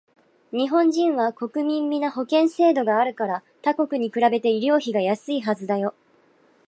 日本人は国民皆保険制度があるから他国に比べて医療費がやすいはずだよ